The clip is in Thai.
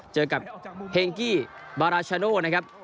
เจอกับเฮงกี้บาราชาโดนะครับ